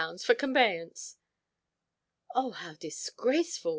for conveyance!" "Oh, how disgraceful!"